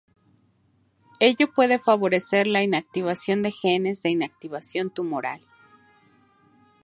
Ello puede favorecer la inactivación de genes de inactivación tumoral.